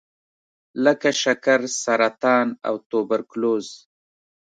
لکه شکر، سرطان او توبرکلوز.